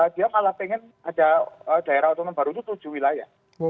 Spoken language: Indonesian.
dia kalau pengen ada daerah atau membaru itu tujuh wilayah